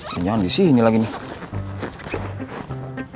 yang jalan disini lagi nih